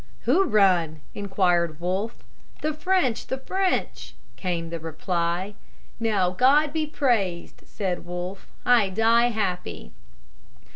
"Who run?" inquired Wolfe. "The French! The French!" came the reply. "Now God be praised," said Wolfe, "I die happy."